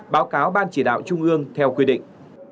báo cáo ban chỉ đạo trung ương theo quy định